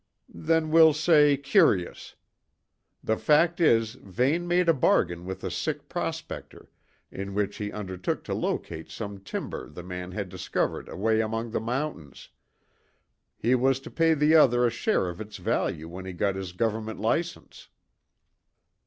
"Then we'll say curious. The fact is, Vane made a bargain with a sick prospector, in which he undertook to locate some timber the man had discovered away among the mountains. He was to pay the other a share of its value when he got his Government licence."